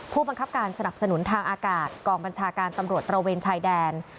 ผู้บังคับการสนับสนุนทางอากาศกองบัญชาการตำรวจตระเวนชายแดน